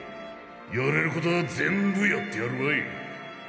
やれることは全部やってやるわい。